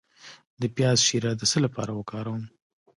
د پیاز شیره د څه لپاره وکاروم؟